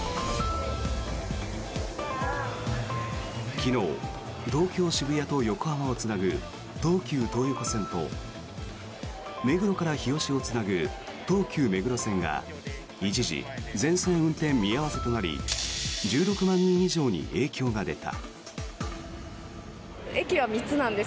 昨日、東京・渋谷と横浜をつなぐ東急東横線と目黒から日吉をつなぐ東急目黒線が一時、全線運転見合わせとなり１６万人以上に影響が出た。